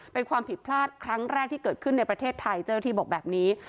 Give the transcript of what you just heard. เป็นความผิดพลาดครั้งแรกที่เกิดขึ้นในประเทศไทยเจ้าหน้าที่บอกแบบนี้